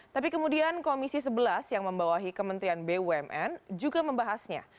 tapi kemudian komisi sebelas yang membawahi kementerian bumn juga membahasnya